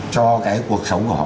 cho cái cuộc sống của họ